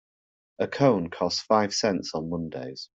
A cone costs five cents on Mondays.